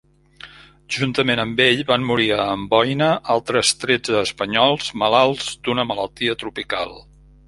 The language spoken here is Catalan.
Juntament amb ell van morir a Amboina altres tretze espanyols malalts d'una malaltia tropical.